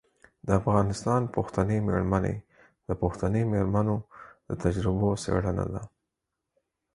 د افغانستان پښتنې میرمنې د پښتنې میرمنو د تجربو څیړنه ده.